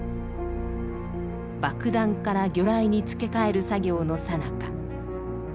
爆弾から魚雷に付け替える作業のさなか。